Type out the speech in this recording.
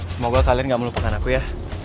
semoga kalian gak melupakan aku ya